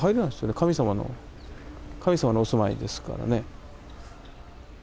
神様の神様のお住まいですからね。